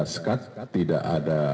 skat tidak ada